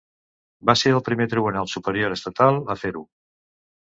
Va ser el primer tribunal superior estatal a fer-ho.